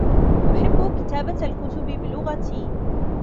أحبّ كتابة الكتب بلغتي.